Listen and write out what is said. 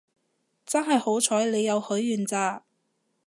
真係好彩你有許願咋